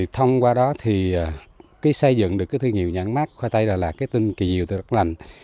thông qua đó thì xây dựng được thương hiệu nhãn mát khoai tây đà lạt kết tinh kỳ diệu từ đất lành